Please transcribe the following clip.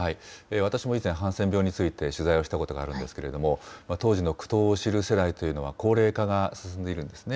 私も以前、ハンセン病について取材をしたことがあるんですけれども、当時の苦闘を知る世代というのは、高齢化が進んでいるんですね。